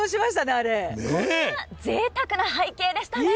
あれはぜいたくな背景でしたね。